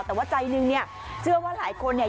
แต่ว่าใจหนึ่งเนี่ยเชื่อว่าหลายคนเนี่ย